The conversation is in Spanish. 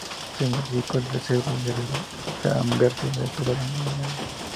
Se modificó el reverso y anverso de todas las monedas.